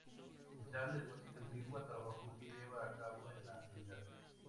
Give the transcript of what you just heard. Ensemble de música antigua", trabajo que lleva a cabo en la actualidad.